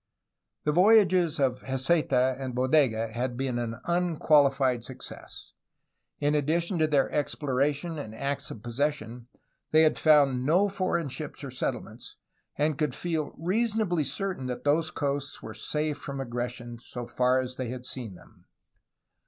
The voyages of Heceta and Bodega had been an unqualified success. In addition to their exploration and acts of possession, they had found no foreign ships or settlements, and could feel rea sonably certain that those coasts were safe from aggression so far as they had seen them.